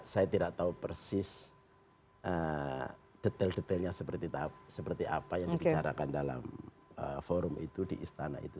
saya tidak tahu persis detail detailnya seperti apa yang dibicarakan dalam forum itu di istana itu